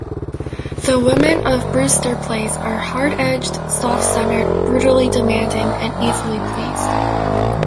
The women of Brewster Place are "hard-edged, soft-centered, brutally demanding, and easily pleased".